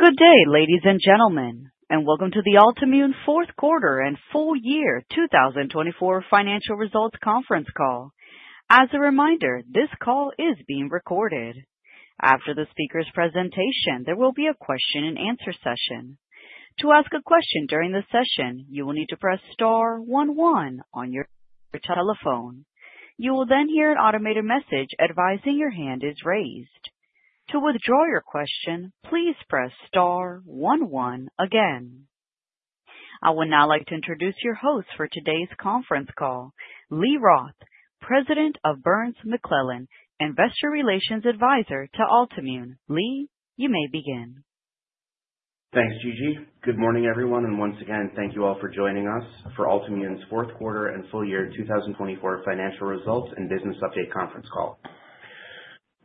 Good day, ladies and gentlemen, and welcome to the Altimmune Fourth Quarter and Full Year 2024 Financial Results Conference Call. As a reminder, this call is being recorded. After the speaker's presentation, there will be a question-and-answer session. To ask a question during the session, you will need to press star 11 on your telephone. You will then hear an automated message advising your hand is raised. To withdraw your question, please press star 11 again. I would now like to introduce your host for today's conference call, Lee Roth, President of Burns McClellan Investor Relations Advisor to Altimmune. Lee, you may begin. Thanks, Gigi. Good morning, everyone. And once again, thank you all for joining us for Altimmune's Fourth Quarter and Full Year 2024 Financial Results and Business Update Conference Call.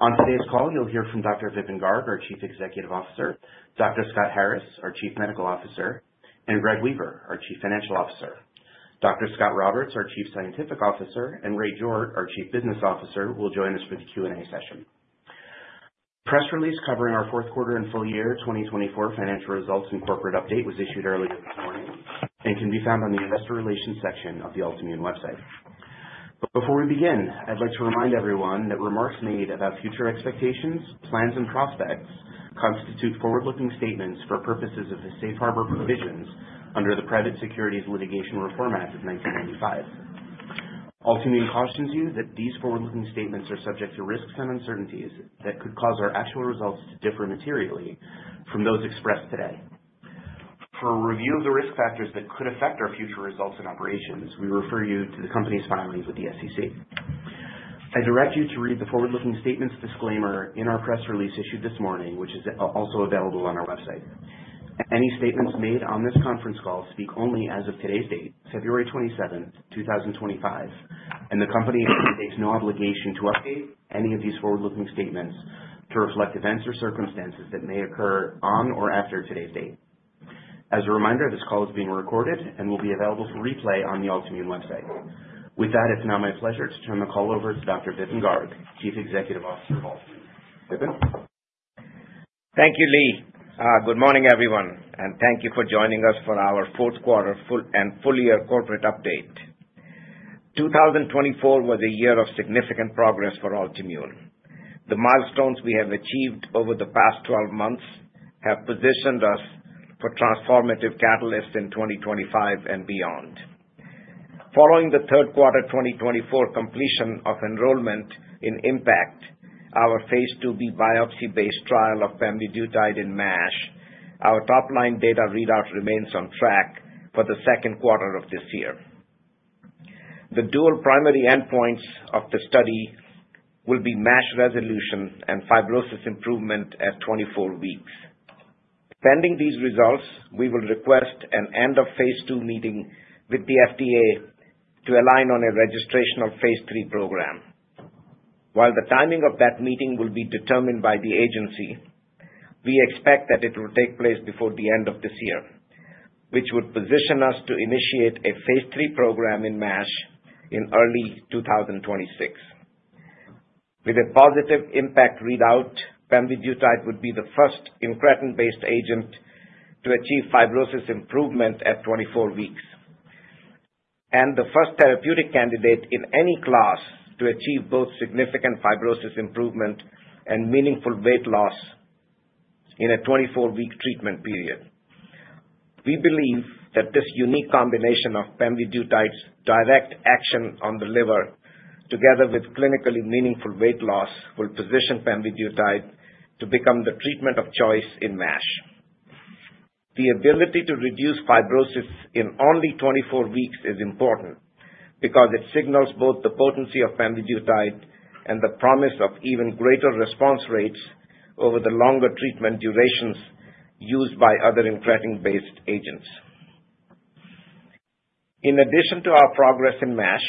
On today's call, you'll hear from Dr. Vipin Garg, our Chief Executive Officer; Dr. Scott Harris, our Chief Medical Officer; and Greg Weaver, our Chief Financial Officer. Dr. Scot Roberts, our Chief Scientific Officer; and Ray Jordt, our Chief Business Officer, will join us for the Q&A session. Press release covering our Fourth Quarter and Full Year 2024 Financial Results and Corporate Update was issued earlier this morning and can be found on the Investor Relations section of the Altimmune website. But before we begin, I'd like to remind everyone that remarks made about future expectations, plans, and prospects constitute forward-looking statements for purposes of the Safe Harbor Provisions under the Private Securities Litigation Reform Act of 1995. Altimmune cautions you that these forward-looking statements are subject to risks and uncertainties that could cause our actual results to differ materially from those expressed today. For a review of the risk factors that could affect our future results and operations, we refer you to the company's filings with the SEC. I direct you to read the forward-looking statements disclaimer in our press release issued this morning, which is also available on our website. Any statements made on this conference call speak only as of today's date, February 27, 2025, and the company undertakes no obligation to update any of these forward-looking statements to reflect events or circumstances that may occur on or after today's date. As a reminder, this call is being recorded and will be available for replay on the Altimmune website. With that, it's now my pleasure to turn the call over to Dr. Vipin Garg, Chief Executive Officer of Altimmune. Vipin. Thank you, Lee. Good morning, everyone, and thank you for joining us for our Fourth Quarter and Full Year Corporate Update. 2024 was a year of significant progress for Altimmune. The milestones we have achieved over the past 12 months have positioned us for transformative catalysts in 2025 and beyond. Following the Third Quarter 2024 completion of enrollment in IMPACT, our Phase 2b biopsy-based trial of pembedutide in MASH, our top-line data readout remains on track for the second quarter of this year. The dual primary endpoints of the study will be MASH resolution and fibrosis improvement at 24 weeks. Pending these results, we will request an end-of-Phase 2 meeting with the FDA to align on a registration of Phase 3 program. While the timing of that meeting will be determined by the agency, we expect that it will take place before the end of this year, which would position us to initiate a Phase 3 program in MASH in early 2026. With a positive IMPACT readout, Pembedutide would be the first incretin-based agent to achieve fibrosis improvement at 24 weeks and the first therapeutic candidate in any class to achieve both significant fibrosis improvement and meaningful weight loss in a 24-week treatment period. We believe that this unique combination of Pembedutide's direct action on the liver, together with clinically meaningful weight loss, will position Pembedutide to become the treatment of choice in MASH. The ability to reduce fibrosis in only 24 weeks is important because it signals both the potency of Pembedutide and the promise of even greater response rates over the longer treatment durations used by other incretin-based agents. In addition to our progress in MASH,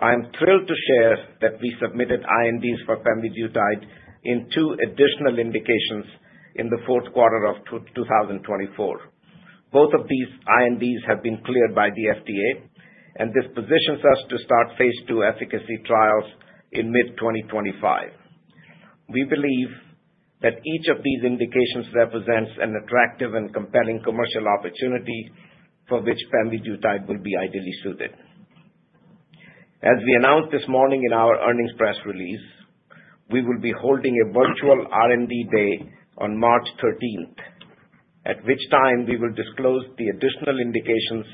I am thrilled to share that we submitted INDs for Pembedutide in two additional indications in the Fourth Quarter of 2024. Both of these INDs have been cleared by the FDA, and this positions us to start Phase 2 efficacy trials in mid-2025. We believe that each of these indications represents an attractive and compelling commercial opportunity for which Pembedutide will be ideally suited. As we announced this morning in our earnings press release, we will be holding a virtual R&D Day on March 13, at which time we will disclose the additional indications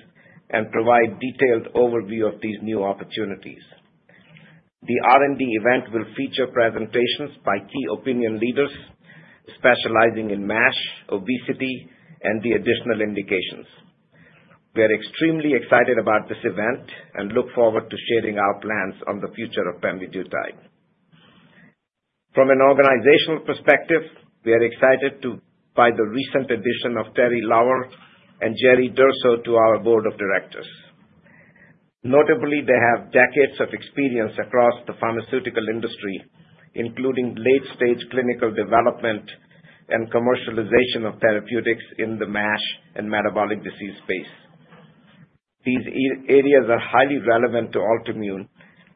and provide a detailed overview of these new opportunities. The R&D event will feature presentations by key opinion leaders specializing in MASH, obesity, and the additional indications. We are extremely excited about this event and look forward to sharing our plans on the future of Pembedutide. From an organizational perspective, we are excited by the recent addition of Terry Lodder and Jerry Durso to our board of directors. Notably, they have decades of experience across the pharmaceutical industry, including late-stage clinical development and commercialization of therapeutics in the MASH and metabolic disease space. These areas are highly relevant to Altimmune,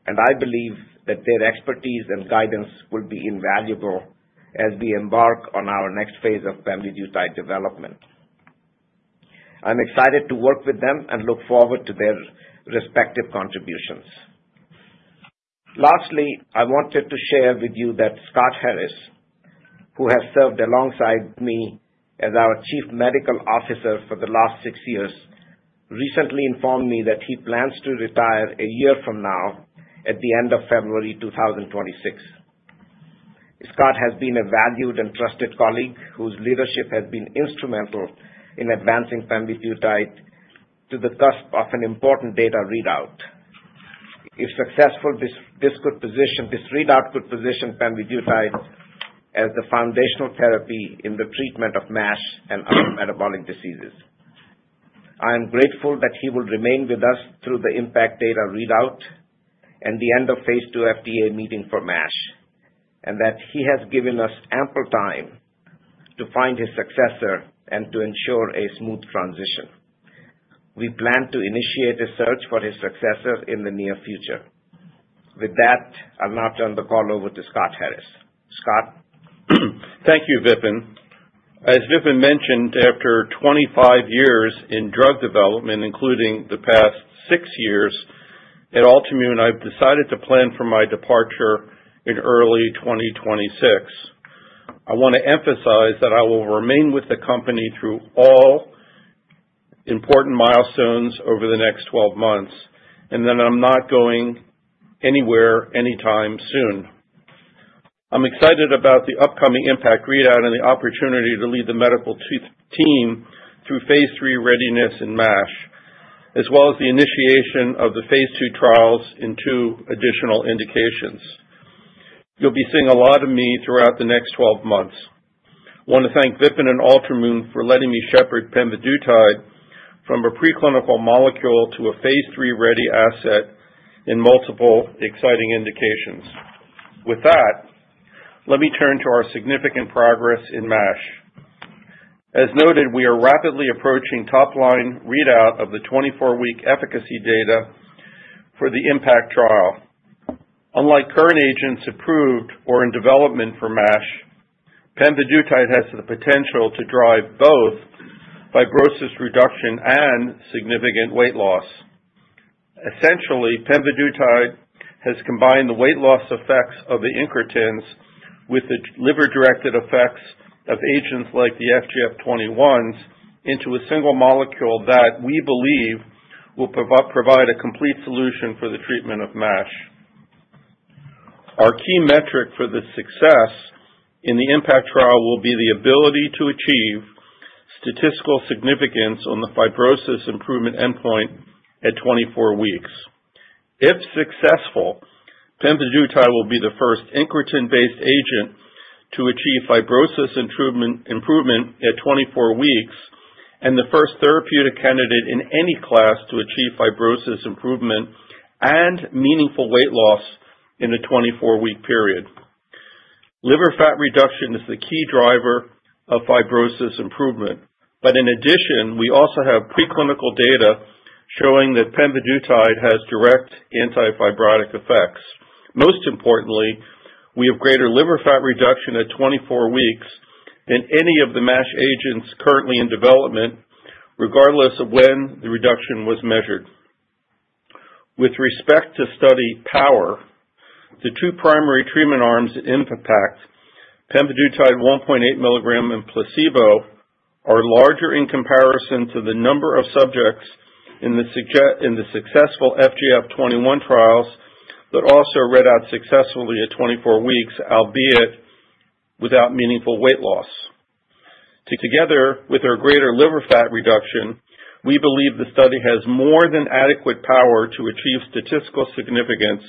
and I believe that their expertise and guidance will be invaluable as we embark on our next phase of Pembedutide development. I'm excited to work with them and look forward to their respective contributions. Lastly, I wanted to share with you that Scott Harris, who has served alongside me as our Chief Medical Officer for the last six years, recently informed me that he plans to retire a year from now at the end of February 2026. Scott has been a valued and trusted colleague whose leadership has been instrumental in advancing pemvidutide to the cusp of an important data readout. If successful, this readout could position pemvidutide as the foundational therapy in the treatment of MASH and other metabolic diseases. I am grateful that he will remain with us through the IMPACT data readout and the end-of-Phase 2 FDA meeting for MASH, and that he has given us ample time to find his successor and to ensure a smooth transition. We plan to initiate a search for his successor in the near future. With that, I'll now turn the call over to Scott Harris. Scott. Thank you, Vipin. As Vipin mentioned, after 25 years in drug development, including the past six years at Altimmune, I've decided to plan for my departure in early 2026. I want to emphasize that I will remain with the company through all important milestones over the next 12 months, and that I'm not going anywhere anytime soon. I'm excited about the upcoming IMPACT readout and the opportunity to lead the medical team through Phase 3 readiness in MASH, as well as the initiation of the Phase 2 trials in two additional indications. You'll be seeing a lot of me throughout the next 12 months. I want to thank Vipin and Altimmune for letting me shepherd Pembedutide from a preclinical molecule to a Phase 3-ready asset in multiple exciting indications. With that, let me turn to our significant progress in MASH. As noted, we are rapidly approaching top-line readout of the 24-week efficacy data for the IMPACT trial. Unlike current agents approved or in development for MASH, Pembedutide has the potential to drive both fibrosis reduction and significant weight loss. Essentially, Pembedutide has combined the weight loss effects of the incretins with the liver-directed effects of agents like the FGF21s into a single molecule that we believe will provide a complete solution for the treatment of MASH. Our key metric for the success in the IMPACT trial will be the ability to achieve statistical significance on the fibrosis improvement endpoint at 24 weeks. If successful, Pembedutide will be the first incretin-based agent to achieve fibrosis improvement at 24 weeks and the first therapeutic candidate in any class to achieve fibrosis improvement and meaningful weight loss in a 24-week period. Liver fat reduction is the key driver of fibrosis improvement, but in addition, we also have preclinical data showing that Pembedutide has direct antifibrotic effects. Most importantly, we have greater liver fat reduction at 24 weeks than any of the MASH agents currently in development, regardless of when the reduction was measured. With respect to study power, the two primary treatment arms in IMPACT, Pembedutide 1.8 milligram and placebo, are larger in comparison to the number of subjects in the successful FGF21 trials that also read out successfully at 24 weeks, albeit without meaningful weight loss. Together with our greater liver fat reduction, we believe the study has more than adequate power to achieve statistical significance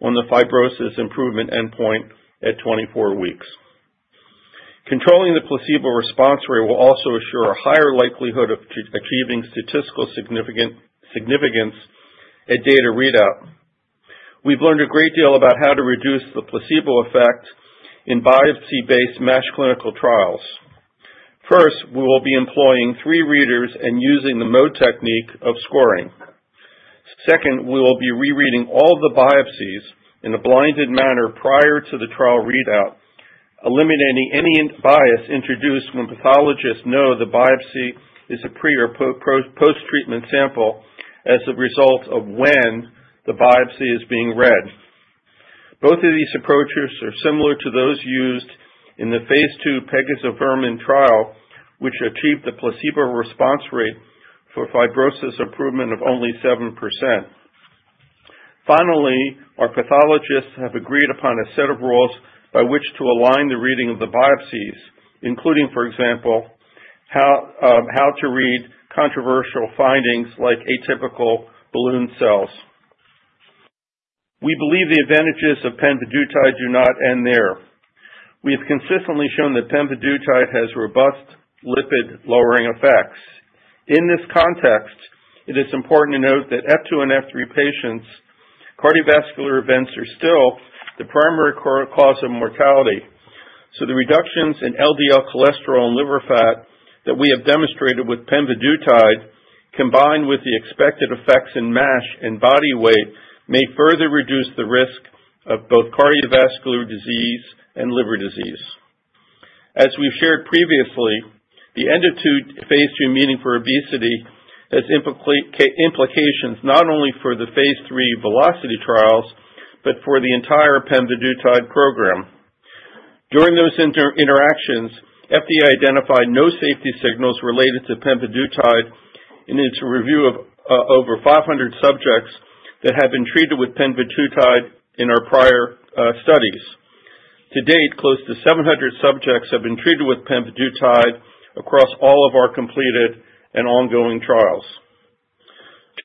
on the fibrosis improvement endpoint at 24 weeks. Controlling the placebo response rate will also assure a higher likelihood of achieving statistical significance at data readout. We've learned a great deal about how to reduce the placebo effect in biopsy-based MASH clinical trials. First, we will be employing three readers and using the mode technique of scoring. Second, we will be rereading all the biopsies in a blinded manner prior to the trial readout, eliminating any bias introduced when pathologists know the biopsy is a pre- or post-treatment sample as a result of when the biopsy is being read. Both of these approaches are similar to those used in the Phase 2 Pegozafermin trial, which achieved the placebo response rate for fibrosis improvement of only 7%. Finally, our pathologists have agreed upon a set of rules by which to align the reading of the biopsies, including, for example, how to read controversial findings like atypical balloon cells. We believe the advantages of pembedutide do not end there. We have consistently shown that Pembedutide has robust lipid-lowering effects. In this context, it is important to note that F2 and F3 patients' cardiovascular events are still the primary cause of mortality, so the reductions in LDL cholesterol and liver fat that we have demonstrated with Pembedutide, combined with the expected effects in MASH and body weight, may further reduce the risk of both cardiovascular disease and liver disease. As we've shared previously, the end-of-Phase 2 meeting for obesity has implications not only for the Phase 3 VELOCITY trials but for the entire Pembedutide program. During those interactions, FDA identified no safety signals related to Pembedutide in its review of over 500 subjects that have been treated with Pembedutide in our prior studies. To date, close to 700 subjects have been treated with Pembedutide across all of our completed and ongoing trials.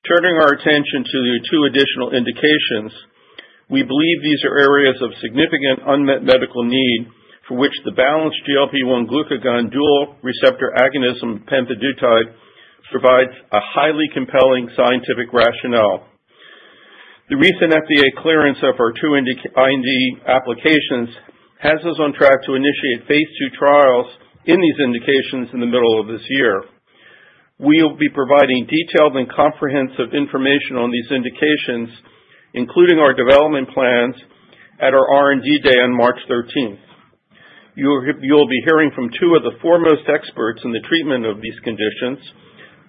Turning our attention to the two additional indications, we believe these are areas of significant unmet medical need for which the balanced GLP-1 glucagon dual receptor agonism, Pembedutide, provides a highly compelling scientific rationale. The recent FDA clearance of our two IND applications has us on track to initiate Phase 2 trials in these indications in the middle of this year. We will be providing detailed and comprehensive information on these indications, including our development plans, at our R&D Day on March 13. You will be hearing from two of the foremost experts in the treatment of these conditions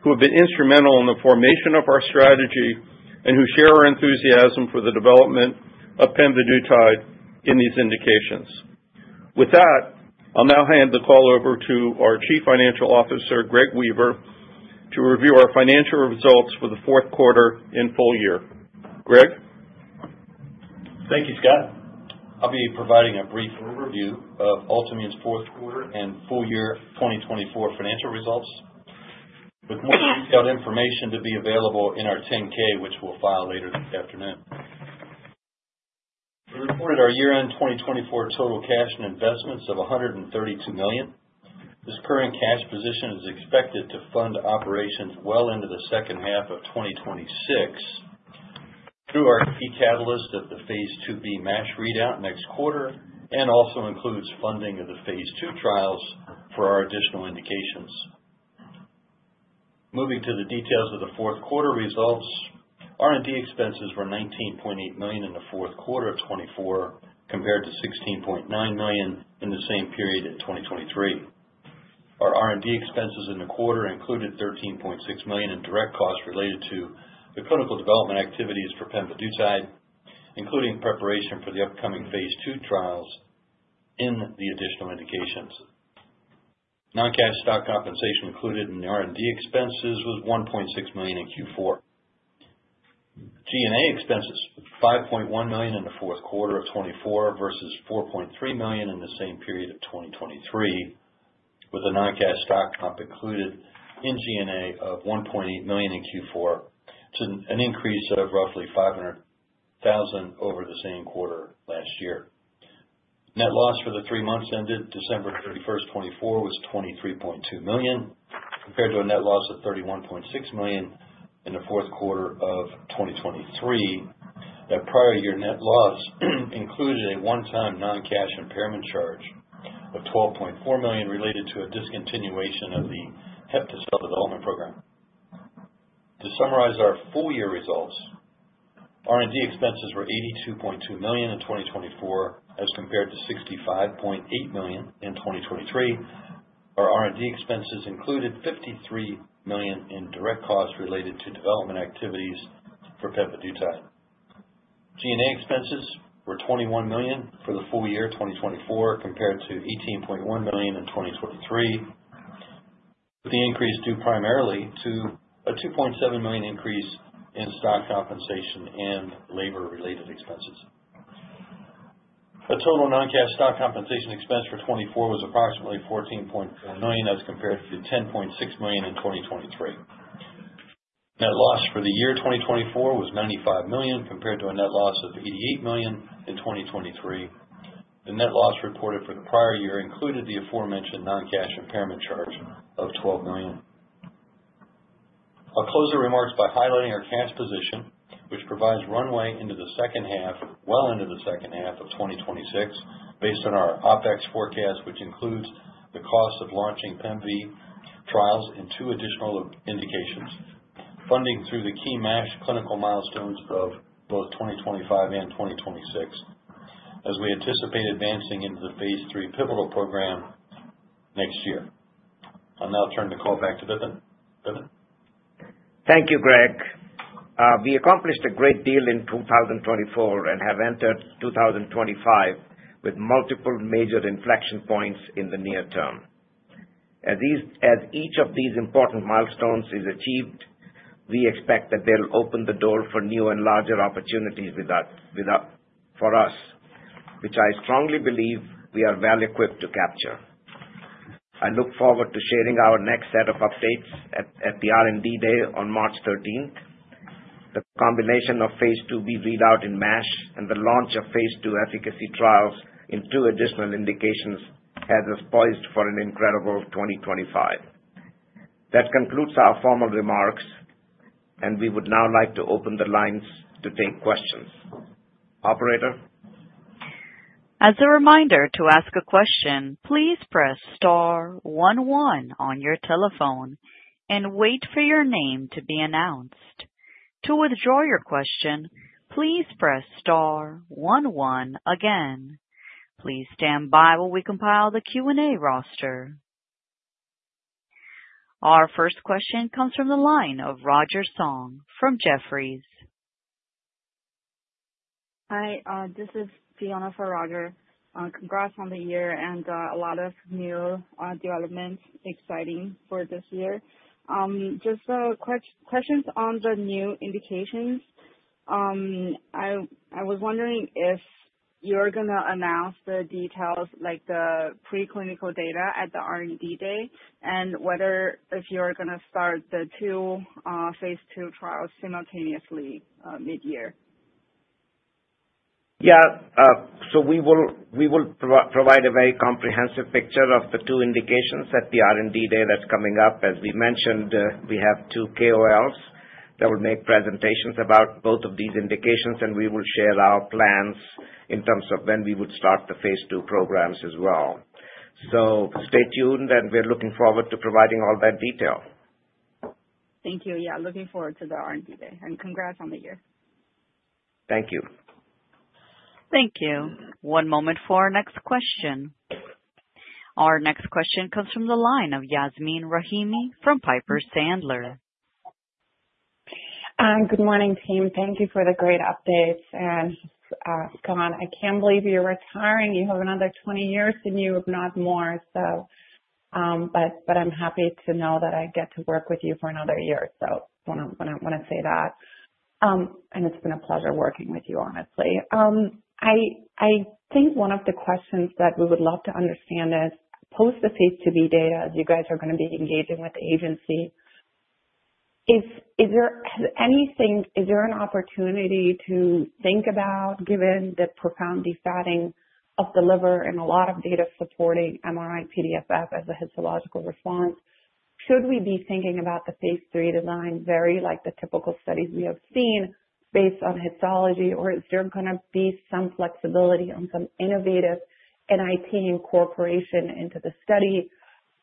who have been instrumental in the formation of our strategy and who share our enthusiasm for the development of Pembedutide in these indications. With that, I'll now hand the call over to our Chief Financial Officer, Greg Weaver, to review our financial results for the Fourth Quarter and Full Year. Greg? Thank you, Scott. I'll be providing a brief overview of Altimmune's fourth quarter and full year 2024 financial results, with more detailed information to be available in our 10-K, which we'll file later this afternoon. We reported our year-end 2024 total cash and investments of $132 million. This current cash position is expected to fund operations well into the second half of 2026 through our key catalyst of the Phase 2b MASH readout next quarter and also includes funding of the Phase 2 trials for our additional indications. Moving to the details of the fourth quarter results, R&D expenses were $19.8 million in the fourth quarter of 2024, compared to $16.9 million in the same period in 2023. Our R&D expenses in the quarter included $13.6 million in direct costs related to the clinical development activities for pembedutide, including preparation for the upcoming Phase 2 trials in the additional indications. Non-cash stock compensation included in the R&D expenses was $1.6 million in Q4. G&A expenses were $5.1 million in the Fourth Quarter of 2024 versus $4.3 million in the same period of 2023, with a non-cash stock comp included in G&A of $1.8 million in Q4, an increase of roughly $500,000 over the same quarter last year. Net loss for the three months ended December 31, 2024, was $23.2 million, compared to a net loss of $31.6 million in the Fourth Quarter of 2023. That prior year net loss included a one-time non-cash impairment charge of $12.4 million related to a discontinuation of the HepTcell Development Program. To summarize our Full Year results, R&D expenses were $82.2 million in 2024, as compared to $65.8 million in 2023. Our R&D expenses included $53 million in direct costs related to development activities for Pembedutide. G&A expenses were $21 million for the full year 2024, compared to $18.1 million in 2023, with the increase due primarily to a $2.7 million increase in stock compensation and labor-related expenses. The total non-cash stock compensation expense for 2024 was approximately $14.4 million, as compared to $10.6 million in 2023. Net loss for the year 2024 was $95 million, compared to a net loss of $88 million in 2023. The net loss reported for the prior year included the aforementioned non-cash impairment charge of $12 million. I'll close the remarks by highlighting our cash position, which provides runway into the second half, well into the second half of 2026, based on our OpEx forecast, which includes the cost of launching PEMV trials and two additional indications, funding through the key MASH clinical milestones of both 2025 and 2026, as we anticipate advancing into the Phase 3 pivotal program next year. I'll now turn the call back to Vipin. Vipin? Thank you, Greg. We accomplished a great deal in 2024 and have entered 2025 with multiple major inflection points in the near term. As each of these important milestones is achieved, we expect that they'll open the door for new and larger opportunities for us, which I strongly believe we are well equipped to capture. I look forward to sharing our next set of updates at the R&D Day on March 13. The combination of Phase 2b readout in MASH and the launch of Phase 2 efficacy trials in two additional indications has us poised for an incredible 2025. That concludes our formal remarks, and we would now like to open the lines to take questions. Operator? As a reminder to ask a question, please press star 11 on your telephone and wait for your name to be announced. To withdraw your question, please press star 11 again. Please stand by while we compile the Q&A roster. Our first question comes from the line of Roger Song from Jefferies. Hi, this is Fiona Ferrager. Congrats on the year and a lot of new developments exciting for this year. Just questions on the new indications. I was wondering if you're going to announce the details, like the preclinical data at the R&D Day, and whether if you're going to start the two Phase 2 trials simultaneously mid-year. Yeah, so we will provide a very comprehensive picture of the two indications at the R&D Day that's coming up. As we mentioned, we have two KOLs that will make presentations about both of these indications, and we will share our plans in terms of when we would start the Phase 2 programs as well. So stay tuned, and we're looking forward to providing all that detail. Thank you. Yeah, looking forward to the R&D Day, and congrats on the year. Thank you. Thank you. One moment for our next question. Our next question comes from the line of Yasmeen Rahimi from Piper Sandler. Good morning, team. Thank you for the great updates. And come on, I can't believe you're retiring. You have another 20 years and you have not more. But I'm happy to know that I get to work with you for another year, so I want to say that. And it's been a pleasure working with you, honestly. I think one of the questions that we would love to understand is, post the Phase 2b data, as you guys are going to be engaging with the agency, is there anything, an opportunity to think about, given the profound defatting of the liver and a lot of data supporting MRI-PDFF as a histological response? Should we be thinking about the Phase 3 design very like the typical studies we have seen based on histology, or is there going to be some flexibility on some innovative NIT incorporation into the study?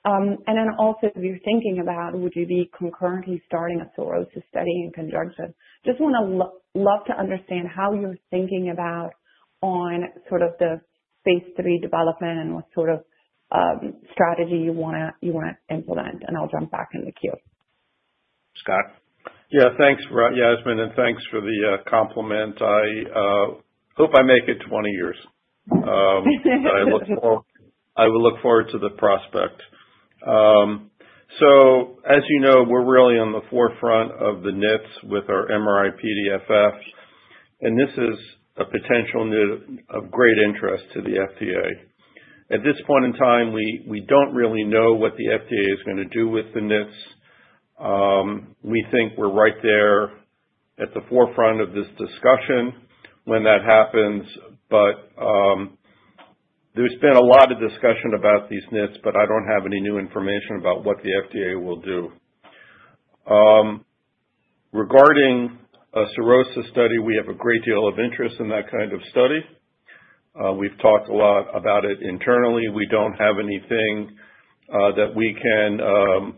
And then also, if you're thinking about, would you be concurrently starting a cirrhosis study in conjunction? I'd love to understand how you're thinking about on sort of the Phase 3 development and what sort of strategy you want to implement, and I'll jump back in the queue. Scott. Yeah, thanks, Yasmeen, and thanks for the compliment. I hope I make it 20 years. I will look forward to the prospect. So as you know, we're really on the forefront of the NITs with our MRI-PDFF, and this is a potential of great interest to the FDA. At this point in time, we don't really know what the FDA is going to do with the NITs. We think we're right there at the forefront of this discussion when that happens, but there's been a lot of discussion about these NITs, but I don't have any new information about what the FDA will do. Regarding a cirrhosis study, we have a great deal of interest in that kind of study. We've talked a lot about it internally. We don't have anything that we can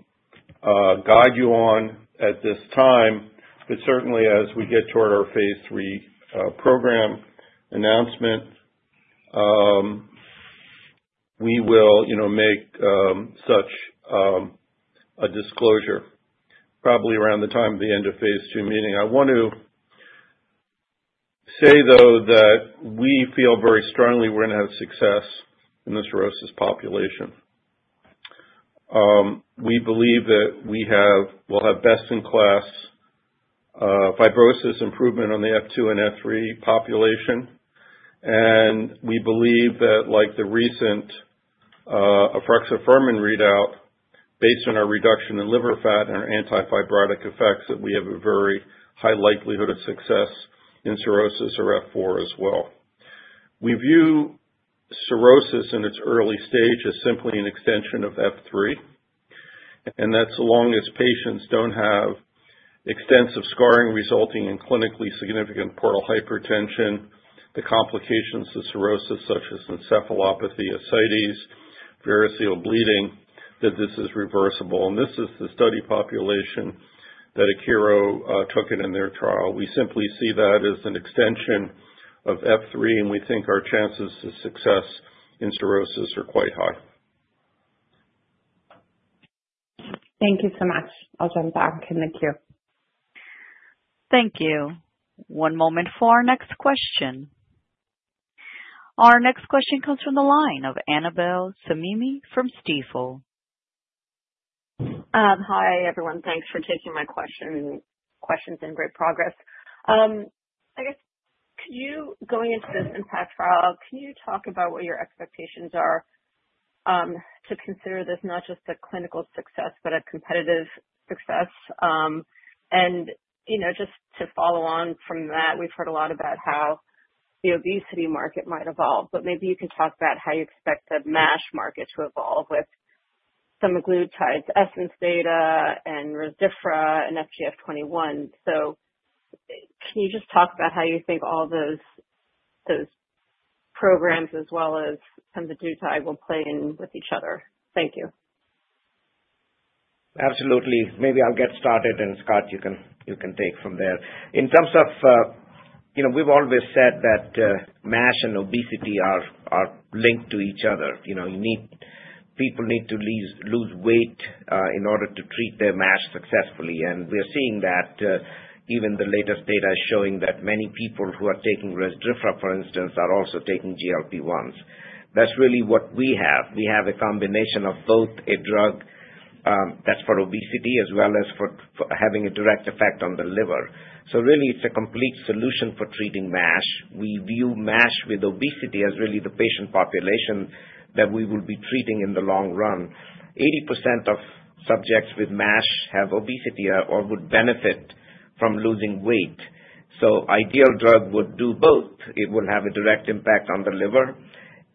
guide you on at this time, but certainly, as we get toward our Phase 3 program announcement, we will make such a disclosure probably around the time of the end of Phase 2 meeting. I want to say, though, that we feel very strongly we're going to have success in the cirrhosis population. We believe that we will have best-in-class fibrosis improvement on the F2 and F3 population, and we believe that, like the recent Afrexa-Ferman readout, based on our reduction in liver fat and our anti-fibrotic effects, that we have a very high likelihood of success in cirrhosis or F4 as well. We view cirrhosis in its early stage as simply an extension of F3, and that's as long as patients don't have extensive scarring resulting in clinically significant portal hypertension, the complications of cirrhosis, such as encephalopathy, ascites, variceal bleeding, that this is reversible, and this is the study population that Akero took in their trial. We simply see that as an extension of F3, and we think our chances of success in cirrhosis are quite high. Thank you so much. I'll jump back in the queue. Thank you. One moment for our next question. Our next question comes from the line of Annabel Samimy from Stifel. Hi, everyone. Thanks for taking my questions on great progress. I guess, going into this IMPACT trial, can you talk about what your expectations are to consider this not just a clinical success, but a competitive success? And just to follow on from that, we've heard a lot about how the obesity market might evolve, but maybe you can talk about how you expect the MASH market to evolve with some GLP-1s, 89's data, and Rezdiffra, and FGF21. So can you just talk about how you think all those programs, as well as some of the GLP-1, will play in with each other? Thank you. Absolutely. Maybe I'll get started, and Scott, you can take from there. In terms of, we've always said that MASH and obesity are linked to each other. People need to lose weight in order to treat their MASH successfully, and we're seeing that even the latest data is showing that many people who are taking Rezdiffra, for instance, are also taking GLP-1s. That's really what we have. We have a combination of both a drug that's for obesity as well as for having a direct effect on the liver. So really, it's a complete solution for treating MASH. We view MASH with obesity as really the patient population that we will be treating in the long run. 80% of subjects with MASH have obesity or would benefit from losing weight. So ideal drug would do both. It will have a direct impact on the liver,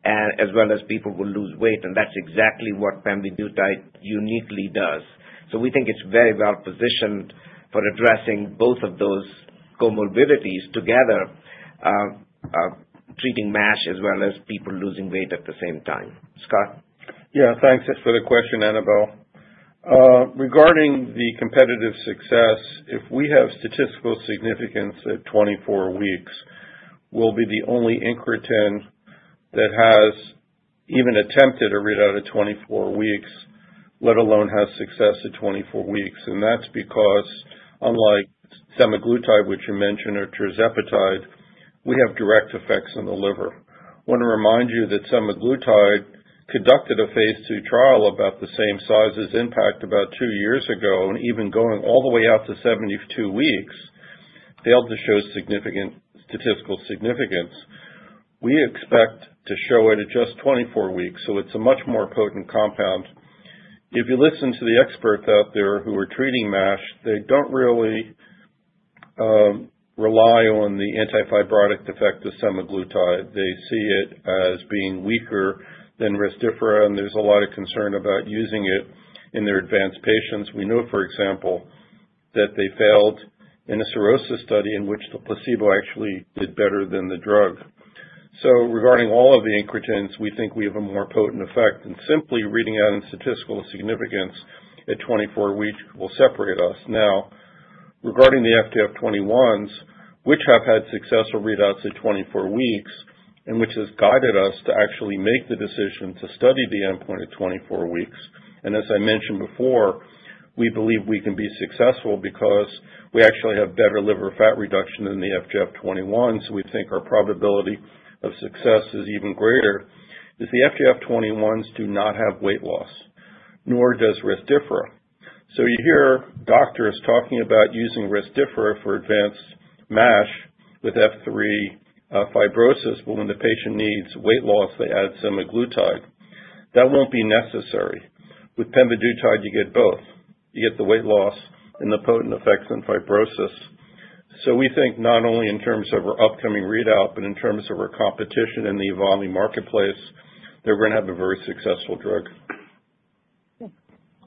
as well as people will lose weight, and that's exactly what pemvidutide uniquely does. So we think it's very well positioned for addressing both of those comorbidities together, treating MASH as well as people losing weight at the same time. Scott. Yeah, thanks for the question, Annabel. Regarding the competitive success, if we have statistical significance at 24 weeks, we'll be the only incretin that has even attempted a readout at 24 weeks, let alone has success at 24 weeks. And that's because, unlike Semaglutide, which you mentioned, or Tirzepatide, we have direct effects on the liver. I want to remind you that Semaglutide conducted a Phase 2 trial about the same size as IMPACT about two years ago, and even going all the way out to 72 weeks, failed to show significant statistical significance. We expect to show it at just 24 weeks, so it's a much more potent compound. If you listen to the experts out there who are treating MASH, they don't really rely on the anti-fibrotic effect of Semaglutide. They see it as being weaker than Rezdiffra, and there's a lot of concern about using it in their advanced patients. We know, for example, that they failed in a cirrhosis study in which the placebo actually did better than the drug. So regarding all of the incretins, we think we have a more potent effect, and simply reading out in statistical significance at 24 weeks will separate us. Now, regarding the FGF21s, which have had successful readouts at 24 weeks, and which has guided us to actually make the decision to study the endpoint at 24 weeks, as I mentioned before, we believe we can be successful because we actually have better liver fat reduction than the FGF21s, so we think our probability of success is even greater because the FGF21s do not have weight loss, nor does Rezdiffra. You hear doctors talking about using Rezdiffra for advanced MASH with F3 fibrosis, but when the patient needs weight loss, they add semaglutide. That won't be necessary. With pemvidutide, you get both. You get the weight loss and the potent effects on fibrosis. So we think not only in terms of our upcoming readout, but in terms of our competition in the evolving marketplace, they're going to have a very successful drug.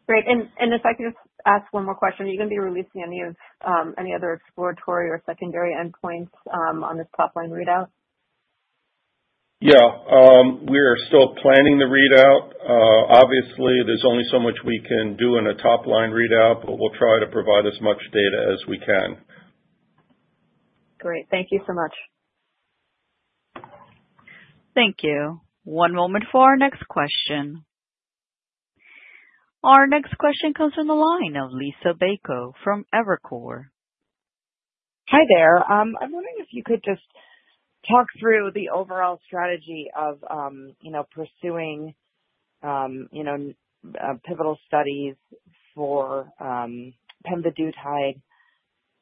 Great. And if I could just ask one more question, are you going to be releasing any other exploratory or secondary endpoints on this top-line readout? Yeah, we are still planning the readout. Obviously, there's only so much we can do in a top-line readout, but we'll try to provide as much data as we can. Great. Thank you so much. Thank you. One moment for our next question. Our next question comes from the line of Liisa Bayko from Evercore ISI. Hi there. I'm wondering if you could just talk through the overall strategy of pursuing pivotal studies for pemvidutide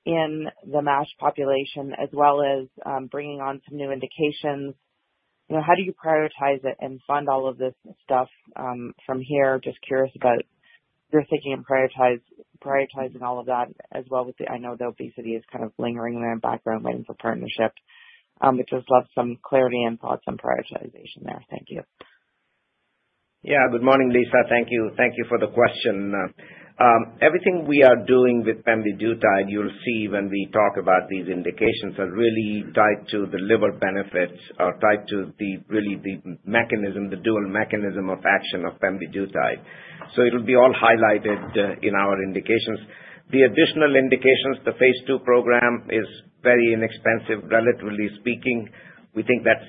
in the MASH population, as well as bringing on some new indications. How do you prioritize it and fund all of this stuff from here? Just curious about your thinking and prioritizing all of that as well. I know the obesity is kind of lingering in the background, waiting for partnership. We just love some clarity and thoughts on prioritization there. Thank you. Yeah, good morning, Liisa. Thank you. Thank you for the question. Everything we are doing with pemvidutide, you'll see when we talk about these indications, are really tied to the liver benefits or tied to really the mechanism, the dual mechanism of action of pemvidutide. So it'll be all highlighted in our indications. The additional indications, the Phase 2 program is very inexpensive, relatively speaking. We think that's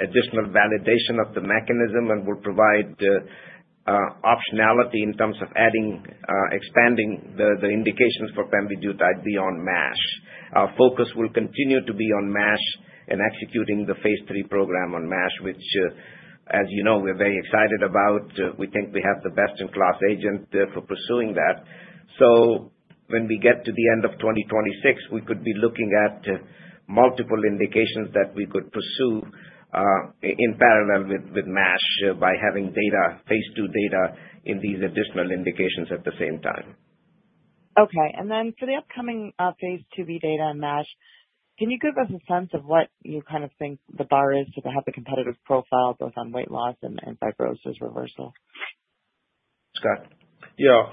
additional validation of the mechanism and will provide optionality in terms of adding, expanding the indications for pemvidutide beyond MASH. Our focus will continue to be on MASH and executing the Phase 3 program on MASH, which, as you know, we're very excited about. We think we have the best-in-class agent for pursuing that. So when we get to the end of 2026, we could be looking at multiple indications that we could pursue in parallel with MASH by having Phase 2 data in these additional indications at the same time. Okay. And then for the upcoming Phase 2b data on MASH, can you give us a sense of what you kind of think the bar is to have the competitive profile, both on weight loss and fibrosis reversal? Yeah.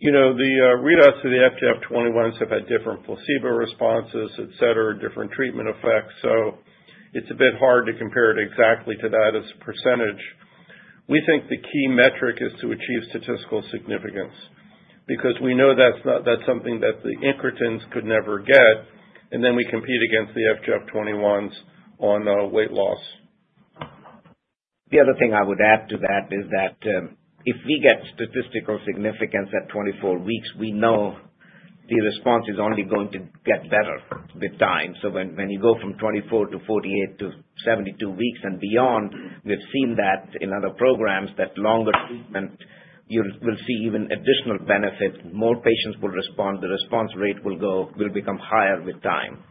The readouts of the FGF21s have had different placebo responses, etc., different treatment effects, so it's a bit hard to compare it exactly to that as a percentage. We think the key metric is to achieve statistical significance because we know that's something that the incretins could never get, and then we compete against the FGF21s on weight loss. The other thing I would add to that is that if we get statistical significance at 24 weeks, we know the response is only going to get better with time. So when you go from 24 to 48 to 72 weeks and beyond, we've seen that in other programs, that longer treatment, you will see even additional benefit. More patients will respond. The response rate will become higher with time.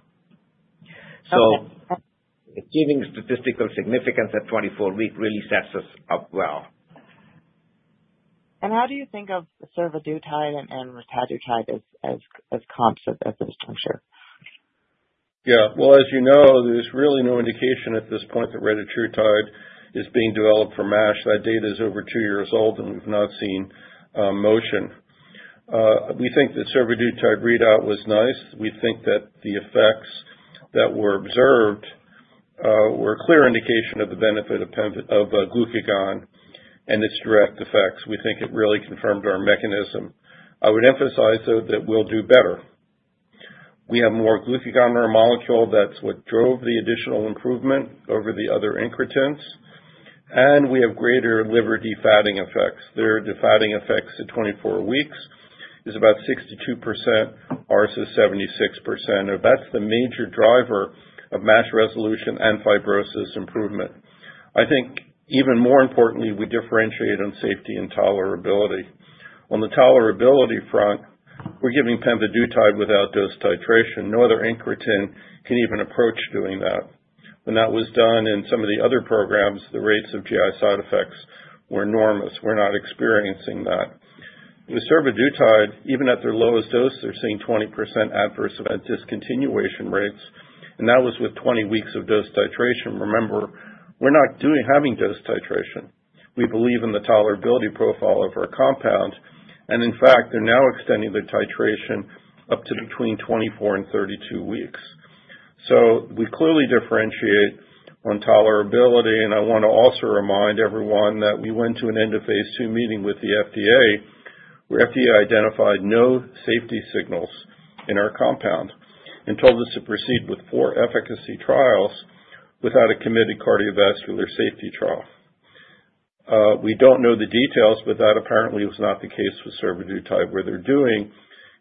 So achieving statistical significance at 24 weeks really sets us up well. How do you think of retatrutide and retatrutide as comps at this juncture? Yeah. Well, as you know, there's really no indication at this point that retatrutide is being developed for MASH. That data is over two years old, and we've not seen motion. We think the retatrutide readout was nice. We think that the effects that were observed were a clear indication of the benefit of glucagon and its direct effects. We think it really confirmed our mechanism. I would emphasize, though, that we'll do better. We have more glucagon in our molecule. That's what drove the additional improvement over the other incretins. And we have greater liver defatting effects. Their defatting effects at 24 weeks is about 62% versus 76%. That's the major driver of MASH resolution and fibrosis improvement. I think, even more importantly, we differentiate on safety and tolerability. On the tolerability front, we're giving pemvidutide without dose titration. No other incretin can even approach doing that. When that was done in some of the other programs, the rates of GI side effects were enormous. We're not experiencing that. With Retatrutide, even at their lowest dose, they're seeing 20% adverse event discontinuation rates, and that was with 20 weeks of dose titration. Remember, we're not having dose titration. We believe in the tolerability profile of our compound, and in fact, they're now extending the titration up to between 24 and 32 weeks. So we clearly differentiate on tolerability, and I want to also remind everyone that we went to an end-of-Phase 2 meeting with the FDA, where FDA identified no safety signals in our compound and told us to proceed with four efficacy trials without a committed cardiovascular safety trial. We don't know the details, but that apparently was not the case with Retatrutide, where they're doing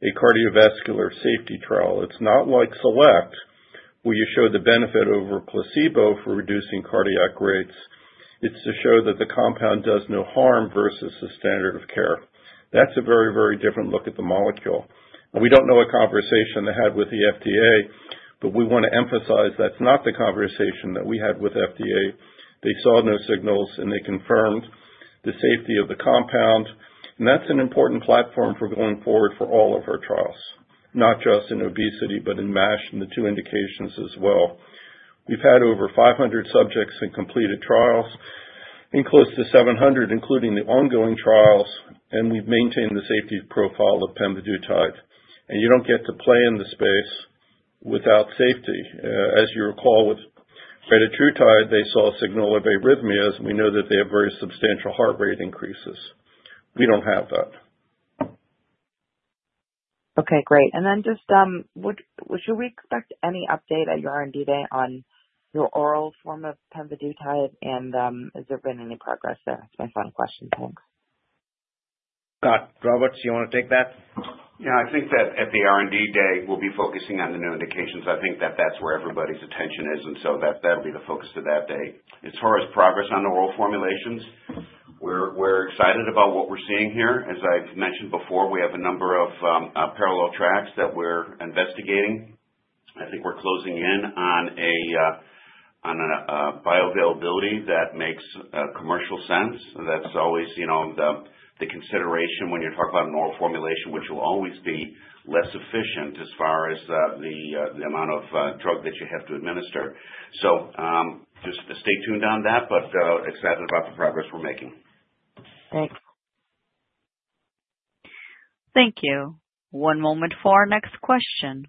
a cardiovascular safety trial. It's not like Select, where you show the benefit over placebo for reducing cardiac rates. It's to show that the compound does no harm versus the standard of care. That's a very, very different look at the molecule, and we don't know what conversation they had with the FDA, but we want to emphasize that's not the conversation that we had with FDA. They saw no signals, and they confirmed the safety of the compound, and that's an important platform for going forward for all of our trials, not just in obesity, but in MASH and the two indications as well. We've had over 500 subjects and completed trials, and close to 700, including the ongoing trials, and we've maintained the safety profile of pemvidutide, and you don't get to play in the space without safety. As you recall, with retatrutide, they saw a signal of arrhythmias, and we know that they have very substantial heart rate increases. We don't have that. Okay. Great. And then just, should we expect any update at your R&D day on your oral form of pemvidutide, and has there been any progress there? That's my final question. Thanks. Scot Roberts, do you want to take that? Yeah. I think that at the R&D day, we'll be focusing on the new indications. I think that that's where everybody's attention is, and so that'll be the focus of that day. As far as progress on oral formulations, we're excited about what we're seeing here. As I've mentioned before, we have a number of parallel tracks that we're investigating. I think we're closing in on a bioavailability that makes commercial sense. That's always the consideration when you're talking about an oral formulation, which will always be less efficient as far as the amount of drug that you have to administer. So just stay tuned on that, but excited about the progress we're making. Thanks. Thank you. One moment for our next question.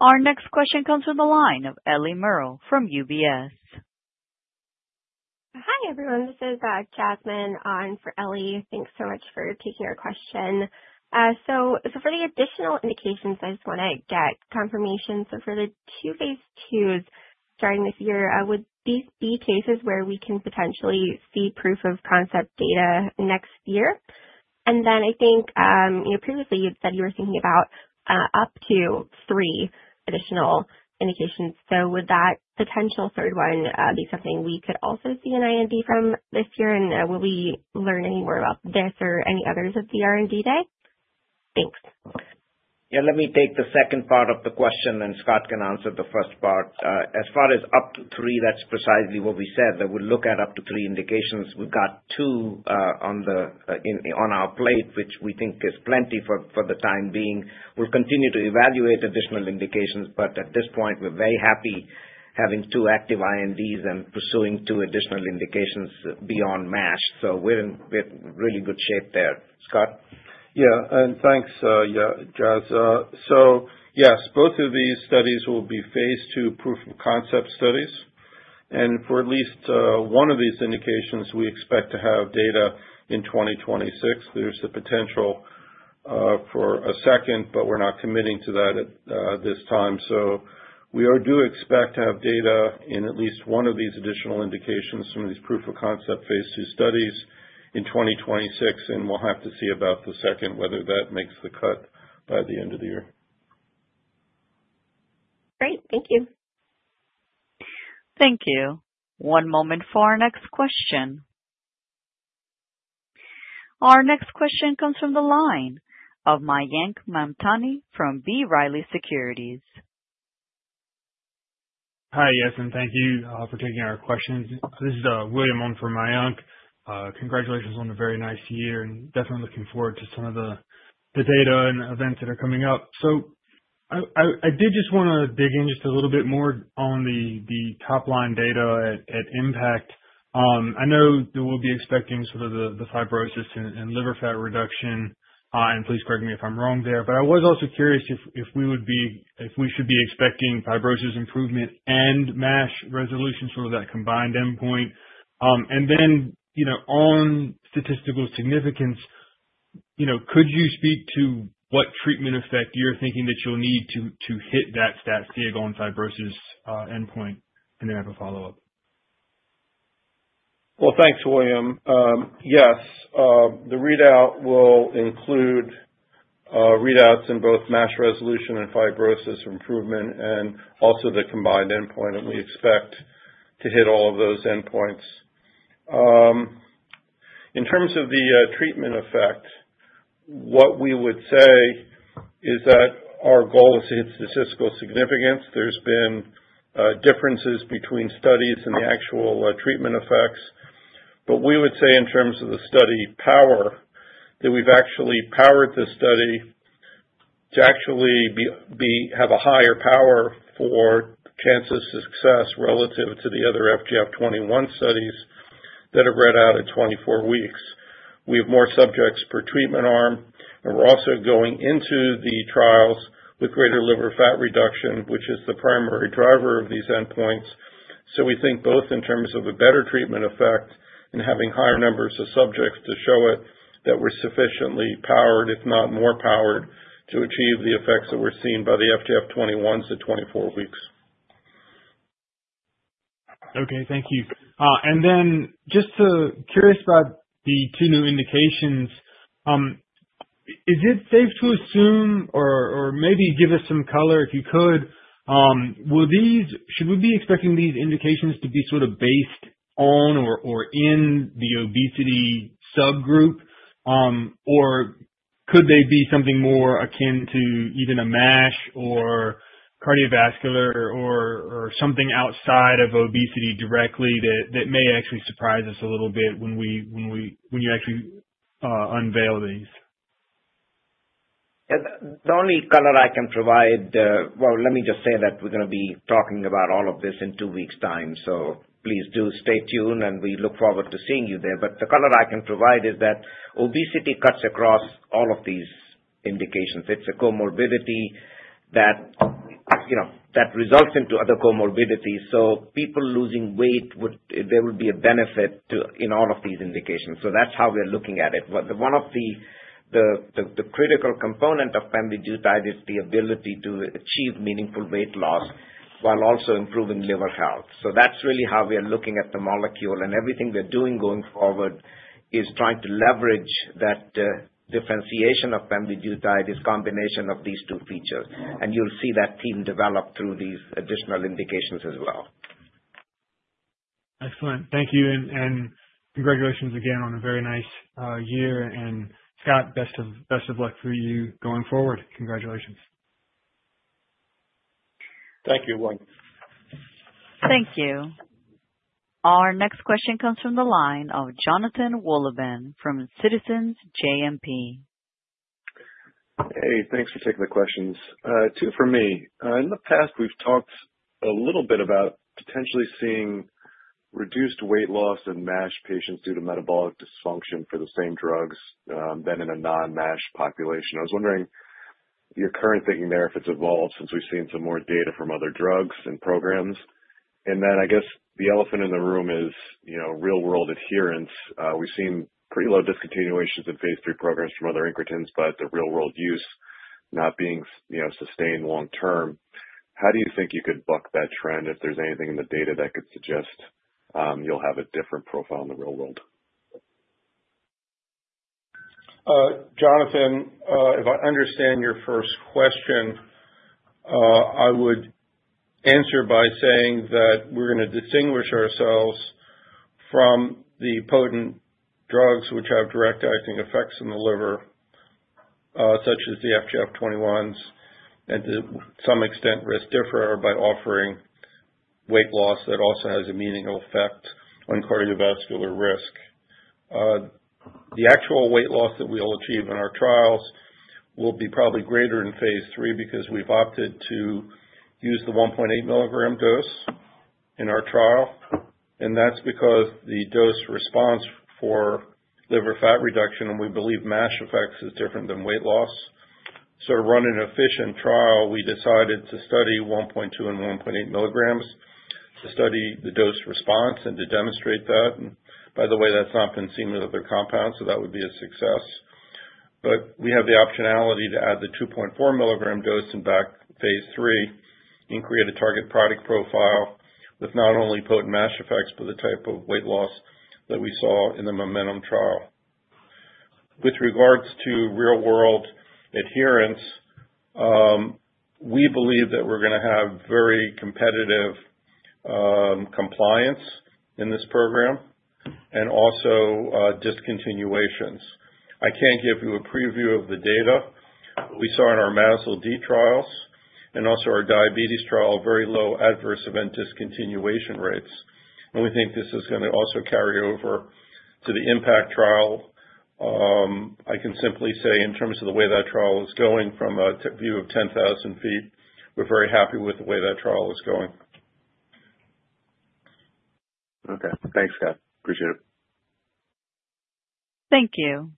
Our next question comes from the line of Eliana Merle from UBS. Hi, everyone. This is Jasmine on for Ellie. Thanks so much for taking our question. So for the additional indications, I just want to get confirmation. So for the two Phase 2s starting this year, would these be cases where we can potentially see proof of concept data next year? And then I think previously you said you were thinking about up to three additional indications. So would that potential third one be something we could also see in IND from this year, and will we learn any more about this or any others at the R&D day? Thanks. Yeah. Let me take the second part of the question, and Scott can answer the first part. As far as up to three, that's precisely what we said. That we'll look at up to three indications. We've got two on our plate, which we think is plenty for the time being. We'll continue to evaluate additional indications, but at this point, we're very happy having two active INDs and pursuing two additional indications beyond MASH. So we're in really good shape there. Scott. Yeah. And thanks, Jaz. So yes, both of these studies will be Phase 2 proof of concept studies. And for at least one of these indications, we expect to have data in 2026. There's the potential for a second, but we're not committing to that at this time. So we do expect to have data in at least one of these additional indications, some of these proof of concept Phase 2 studies in 2026, and we'll have to see about the second, whether that makes the cut by the end of the year. Great. Thank you. Thank you. One moment for our next question. Our next question comes from the line of Mayank Mamtani from B. Riley Securities. Hi, Jasmine. Thank you for taking our questions. This is William on for Mayank. Congratulations on a very nice year, and definitely looking forward to some of the data and events that are coming up. So I did just want to dig in just a little bit more on the top-line data at IMPACT. I know that we'll be expecting sort of the fibrosis and liver fat reduction, and please correct me if I'm wrong there. But I was also curious if we should be expecting fibrosis improvement and MASH resolution, sort of that combined endpoint. And then on statistical significance, could you speak to what treatment effect you're thinking that you'll need to hit that stat sig on fibrosis endpoint, and then have a follow-up? Thanks, William. Yes. The readout will include readouts in both MASH resolution and fibrosis improvement, and also the combined endpoint, and we expect to hit all of those endpoints. In terms of the treatment effect, what we would say is that our goal is to hit statistical significance. There's been differences between studies and the actual treatment effects, but we would say in terms of the study power, that we've actually powered the study to actually have a higher power for chances to success relative to the other FGF21 studies that are read out at 24 weeks. We have more subjects per treatment arm, and we're also going into the trials with greater liver fat reduction, which is the primary driver of these endpoints. So, we think both in terms of a better treatment effect and having higher numbers of subjects to show it, that we're sufficiently powered, if not more powered, to achieve the effects that we're seeing by the FGF21s at 24 weeks. Okay. Thank you. And then just curious about the two new indications. Is it safe to assume or maybe give us some color if you could? Should we be expecting these indications to be sort of based on or in the obesity subgroup, or could they be something more akin to even a MASH or cardiovascular or something outside of obesity directly that may actually surprise us a little bit when you actually unveil these? The only color I can provide, well, let me just say that we're going to be talking about all of this in two weeks' time. So please do stay tuned, and we look forward to seeing you there. But the color I can provide is that obesity cuts across all of these indications. It's a comorbidity that results into other comorbidities. So people losing weight, there would be a benefit in all of these indications. So that's how we're looking at it. One of the critical components of pemvidutide is the ability to achieve meaningful weight loss while also improving liver health. So that's really how we're looking at the molecule, and everything we're doing going forward is trying to leverage that differentiation of pemvidutide, this combination of these two features. And you'll see that theme develop through these additional indications as well. Excellent. Thank you, and congratulations again on a very nice year. And Scott, best of luck for you going forward. Congratulations. Thank you, William. Thank you. Our next question comes from the line of Jonathan Wolleben from Citizens JMP. Hey. Thanks for taking the questions. For me, in the past, we've talked a little bit about potentially seeing reduced weight loss in MASH patients due to metabolic dysfunction for the same drugs than in a non-MASH population. I was wondering your current thinking there if it's evolved since we've seen some more data from other drugs and programs. And then I guess the elephant in the room is real-world adherence. We've seen pretty low discontinuations in Phase 3 programs from other incretins, but the real-world use not being sustained long-term. How do you think you could buck that trend if there's anything in the data that could suggest you'll have a different profile in the real world? Jonathan, if I understand your first question, I would answer by saying that we're going to distinguish ourselves from the potent drugs which have direct-acting effects in the liver, such as the FGF21s, and to some extent Resdifra by offering weight loss that also has a meaningful effect on cardiovascular risk. The actual weight loss that we'll achieve in our trials will be probably greater in Phase 3 because we've opted to use the 1.8 milligram dose in our trial, and that's because the dose-response for liver fat reduction, and we believe MASH effects, is different than weight loss. So to run an efficient trial, we decided to study 1.2 and 1.8 milligrams to study the dose-response and to demonstrate that. By the way, that's not been seen with other compounds, so that would be a success. But we have the optionality to add the 2.4 milligram dose in back Phase 3 and create a target product profile with not only potent MASH effects but the type of weight loss that we saw in the momentum trial. With regards to real-world adherence, we believe that we're going to have very competitive compliance in this program and also discontinuations. I can't give you a preview of the data, but we saw in our MASLD trials and also our diabetes trial very low adverse event discontinuation rates. And we think this is going to also carry over to the IMPACT trial. I can simply say in terms of the way that trial is going from a view of 10,000 feet, we're very happy with the way that trial is going. Okay. Thanks, Scott. Appreciate it. Thank you.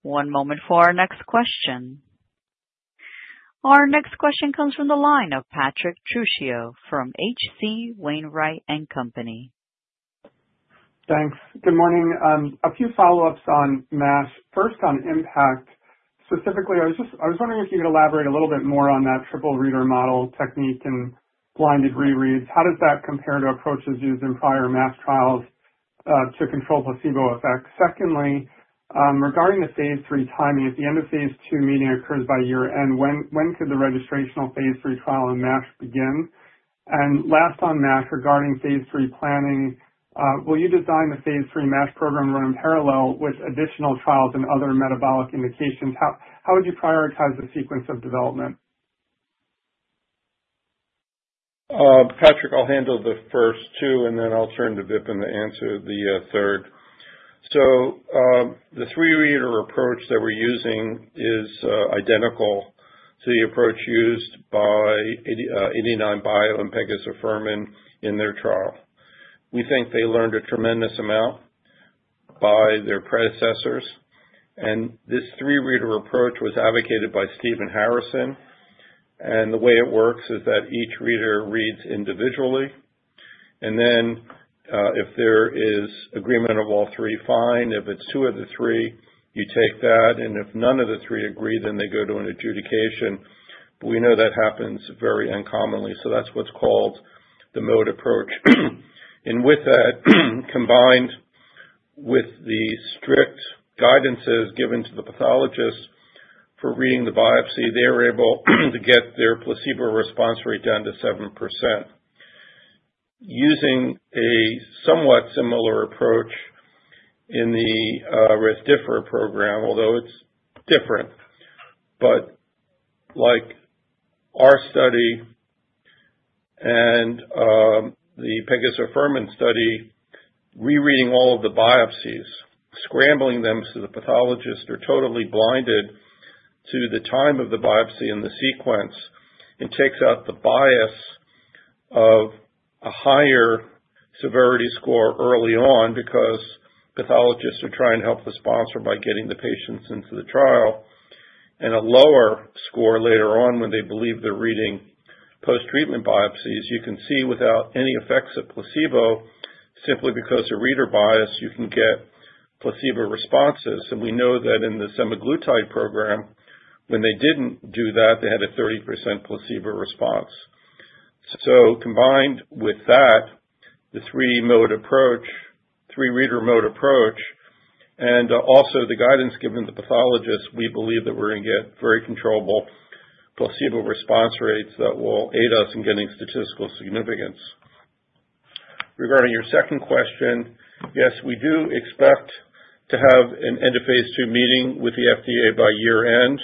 One moment for our next question. Our next question comes from the line of Patrick Trucchio from H.C. Wainwright & Co. Thanks. Good morning. A few follow-ups on MASH. First, on IMPACT specifically, I was wondering if you could elaborate a little bit more on that triple reader mode technique and blinded rereads. How does that compare to approaches used in prior MASH trials to control placebo effects? Secondly, regarding the Phase 3 timing, if the end of Phase 2 meeting occurs by year-end, when could the registrational Phase 3 trial in MASH begin? And last on MASH, regarding Phase 3 planning, will you design the Phase 3 MASH program running parallel with additional trials and other metabolic indications? How would you prioritize the sequence of development? Patrick, I'll handle the first two, and then I'll turn to Vipin to answer the third. So the three-reader approach that we're using is identical to the approach used by 89bio and pegozafermin in their trial. We think they learned a tremendous amount by their predecessors. And this three-reader approach was advocated by Stephen Harrison. And the way it works is that each reader reads individually. And then if there is agreement of all three, fine. If it's two of the three, you take that. And if none of the three agree, then they go to an adjudication. But we know that happens very uncommonly. So that's what's called the MODE approach. And with that, combined with the strict guidances given to the pathologists for reading the biopsy, they were able to get their placebo response rate down to 7%. Using a somewhat similar approach in the Rezdiffra program, although it's different, but like our study and the pegozafermin study, rereading all of the biopsies, scrambling them so the pathologists are totally blinded to the time of the biopsy and the sequence, it takes out the bias of a higher severity score early on because pathologists are trying to help the sponsor by getting the patients into the trial, and a lower score later on when they believe they're reading post-treatment biopsies, you can see without any effects of placebo, simply because of reader bias, you can get placebo responses, and we know that in the semaglutide program, when they didn't do that, they had a 30% placebo response. So combined with that, the three-reader MODE approach, and also the guidance given to the pathologists, we believe that we're going to get very controllable placebo response rates that will aid us in getting statistical significance. Regarding your second question, yes, we do expect to have an end of Phase 2 meeting with the FDA by year-end,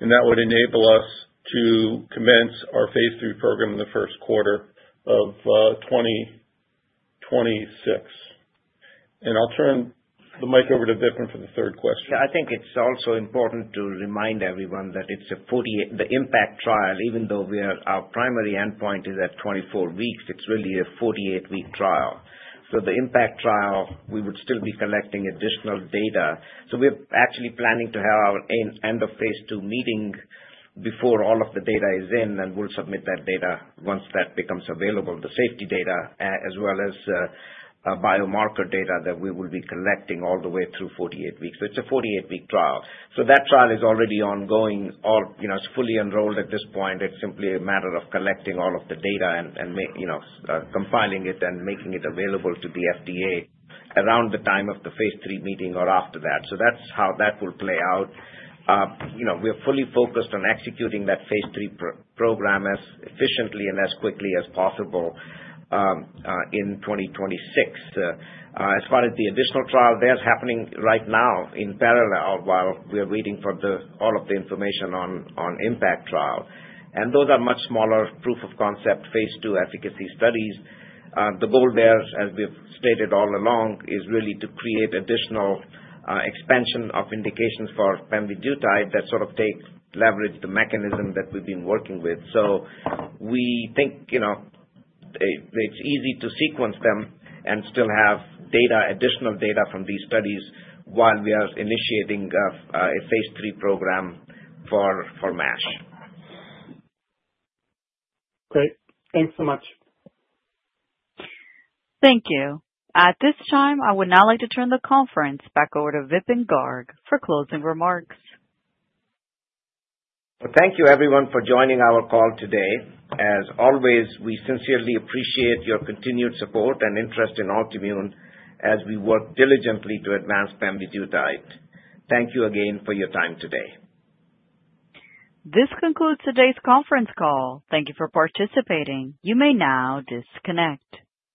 and that would enable us to commence our Phase 3 program in the first quarter of 2026. And I'll turn the mic over to Vipin for the third question. Yeah. I think it's also important to remind everyone that it's a 48-week IMPACT trial. Even though our primary endpoint is at 24 weeks, it's really a 48-week trial. So the IMPACT trial, we would still be collecting additional data. So we're actually planning to have our end of Phase 2 meeting before all of the data is in, and we'll submit that data once that becomes available, the safety data as well as biomarker data that we will be collecting all the way through 48 weeks. So it's a 48-week trial. So that trial is already ongoing. It's fully enrolled at this point. It's simply a matter of collecting all of the data and compiling it and making it available to the FDA around the time of the Phase 3 meeting or after that. So that's how that will play out. We're fully focused on executing that Phase 3 program as efficiently and as quickly as possible in 2026. As far as the additional trials, they're happening right now in parallel while we're waiting for all of the information on IMPACT trial, and those are much smaller proof-of-concept Phase 2 efficacy studies. The goal there, as we've stated all along, is really to create additional expansion of indications for pemvidutide that sort of leverage the mechanism that we've been working with, so we think it's easy to sequence them and still have additional data from these studies while we are initiating a Phase 3 program for MASH. Great. Thanks so much. Thank you. At this time, I would now like to turn the conference back over to Vipin Garg for closing remarks. Thank you, everyone, for joining our call today. As always, we sincerely appreciate your continued support and interest in Altimmune as we work diligently to advance pemvidutide. Thank you again for your time today. This concludes today's conference call. Thank you for participating. You may now disconnect.